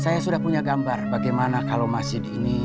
saya sudah punya gambar bagaimana kalau masjid ini